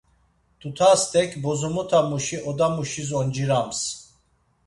Tutastek bozomotamuşi odamuşis oncirams.